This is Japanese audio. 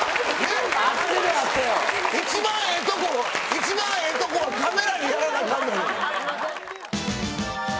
一番ええとこをカメラにやらなアカンのに。